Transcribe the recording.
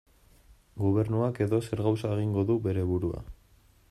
Gobernuak edozer gauza egingo du bere burua.